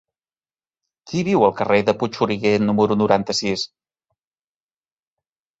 Qui viu al carrer de Puigxuriguer número noranta-sis?